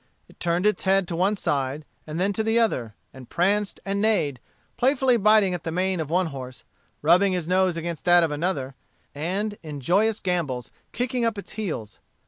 It turned its head to one side, and then to the other, and pranced and neighed, playfully biting at the mane of one horse, rubbing his nose against that of another, and in joyous gambols kicking up its heels.